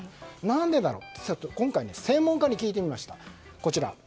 何でだろう？ということで今回、専門家に聞いてみました。